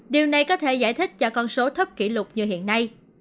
điều này có thể giải thích cho con số thấp kỷ lục như hiện nay